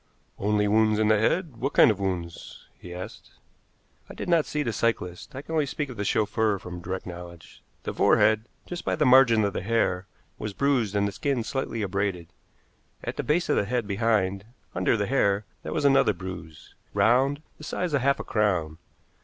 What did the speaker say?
"Only wounds in the head? What kind of wounds?" he asked. "I did not see the cyclists. I can only speak of the chauffeur from direct knowledge. The forehead, just by the margin of the hair, was bruised and the skin slightly abraded. At the base of the head behind, under the hair, there was another bruise round, the size of half a crown.